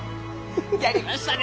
やりましたね